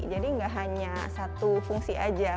jadi nggak hanya satu fungsi aja